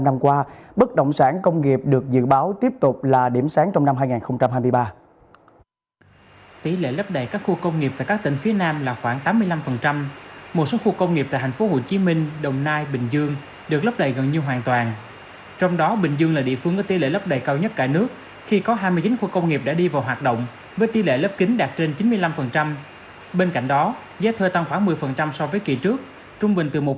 trong năm qua bất động sản công nghiệp được dự báo tiếp tục là điểm sáng trong năm hai nghìn hai mươi ba